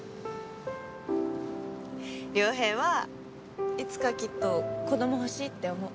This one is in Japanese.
良平はいつかきっと子ども欲しいって思う。